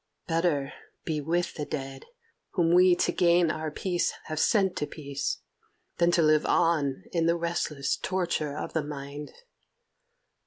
"Better be with the dead, whom we to gain our peace have sent to peace, than to live on in the restless torture of the mind.